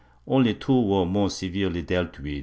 Only two were more severely dealt with.